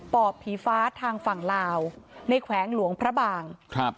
อบผีฟ้าทางฝั่งลาวในแขวงหลวงพระบางครับ